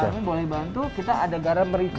kami boleh bantu kita ada garam merica